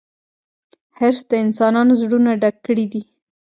حرص د انسانانو زړونه ډک کړي دي.